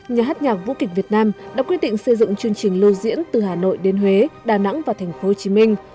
nhà hát nhạc vũ kịch việt nam đã quyết định xây dựng chương trình lưu diễn từ hà nội đến huế đà nẵng và thành phố hồ chí minh